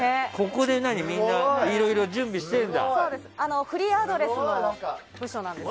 ここでみんないろいろ準備してるんだ。